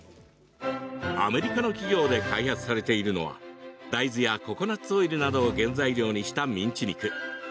アメリカの企業で開発されているのは大豆やココナツオイルなどを原材料にしたミンチ肉。